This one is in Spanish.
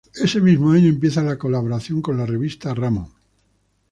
Ese mismo año empieza la colaboración con la revista "Ramo".